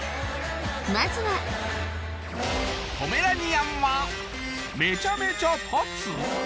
まずはポメラニアンはめちゃめちゃ立つ！？